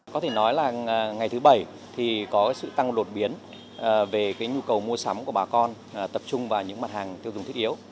có thể nói là ngày thứ bảy thì có sự tăng lột biến về nhu cầu mua sắm của bà con tập trung vào những mặt hàng tiêu dùng thiết yếu